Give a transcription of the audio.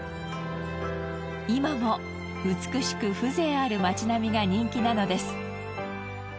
今も美しく風情ある町並みが人気なのです。